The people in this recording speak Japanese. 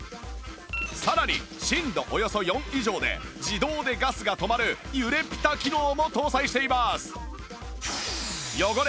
さらに震度およそ４以上で自動でガスが止まる揺れピタ機能も搭載しています